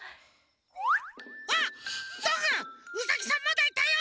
わっどんぐーウサギさんまだいたよ！